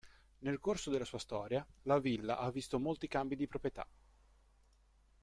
Nel corso della sua storia, la villa ha visto molti cambi di proprietà.